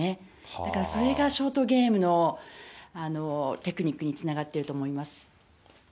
だからそれがショートゲームのテクニックにつながっていると思います。